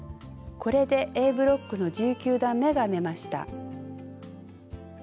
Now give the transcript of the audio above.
これでＡブロックの１９段めが編めました。